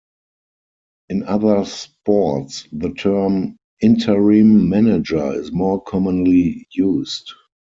In other sports, the term "interim manager" is more commonly used.